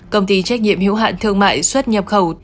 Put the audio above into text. công ty trách nhiệm hiếu hạn thương mại xuất nhập khẩu